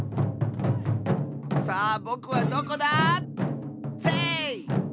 さあぼくはどこだ⁉せい！